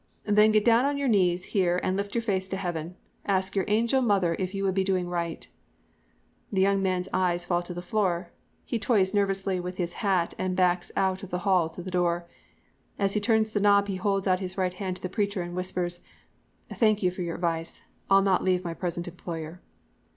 "'Then get down on your knees here and lift your face to heaven. Ask your angel mother if you would be doing right.' "The young man's eyes fall to the floor. He toys nervously with his hat and backs out of the hall to the door. As he turns the knob he holds out his right hand to the preacher and whispers: "'I thank you for your advice. I'll not leave my present employer.'